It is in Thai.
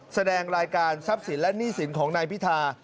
แสดงรายการทรัพย์สินและหนี้สินของนายพิธา